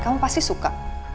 kamu pasti suka